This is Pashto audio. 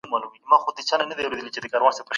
د سوداګرۍ خوني فعالي وې.